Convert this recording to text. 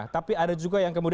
tapi ada juga yang kemudian